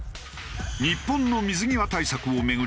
日本の水際対策を巡り